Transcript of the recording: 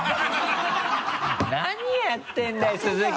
何やってるんだよ鈴木！